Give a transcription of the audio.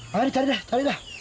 mari cari deh carilah